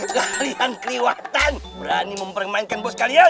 kalian keriwatan berani mempermainkan bos kalian